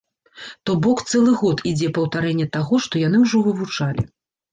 То бок цэлы год ідзе паўтарэнне таго, што яны ўжо вывучалі.